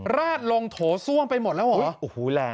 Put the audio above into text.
ราดลงโถส่วงไปหมดแล้วหรอ